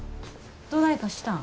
どないかしたん？